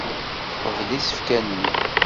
Teqbel isefka-nni.